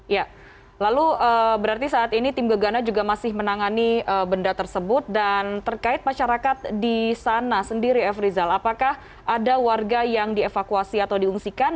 ya lalu berarti saat ini tim gegana juga masih menangani benda tersebut dan terkait masyarakat di sana sendiri f rizal apakah ada warga yang dievakuasi atau diungsikan